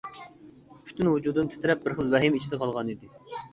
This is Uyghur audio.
پۈتۈن ۋۇجۇدۇم تىترەپ بىر خىل ۋەھىمە ئىچىدە قالغانىدى.